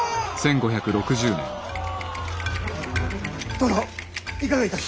殿いかがいたす。